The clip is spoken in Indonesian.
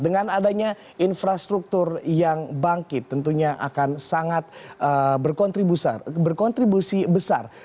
dengan adanya infrastruktur yang bangkit tentunya akan sangat berkontribusi besar